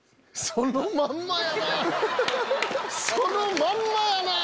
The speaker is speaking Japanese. そのまんまやな！